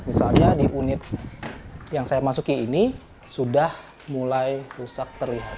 misalnya di unit yang saya masuki ini sudah mulai rusak terlihat